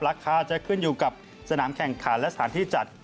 ราคาจะขึ้นอยู่กับสนามแข่งขันและสถานที่จัด